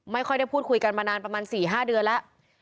ไม่ค่อยได้พูดคุยกันมานานประมาณ๔๕เดือนแล้ว